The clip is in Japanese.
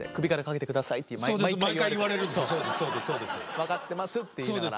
分かってますって言いながら。